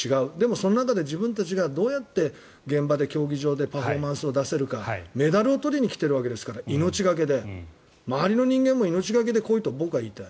その中で自分たちがどうやって現場で、競技場でパフォーマンスを出せるかメダルを取りにきてるわけですから周りの人間も命がけでと僕は言いたい。